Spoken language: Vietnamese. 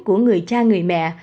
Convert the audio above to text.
của người cha người mẹ